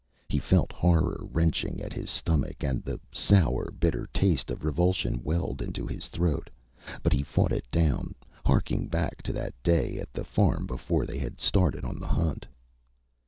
He felt horror wrenching at his stomach and the sour, bitter taste of revulsion welled into his throat, but he fought it down, harking back to that day at the farm before they had started on the hunt.